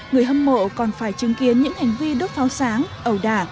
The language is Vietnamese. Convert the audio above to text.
người hâm mộ còn phải chứng kiến những hành vi đốt pháo sáng ẩu đả